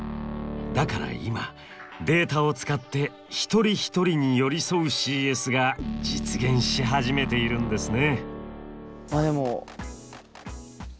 だから今データを使って一人一人に寄り添うＣＳが実現し始めているんですね。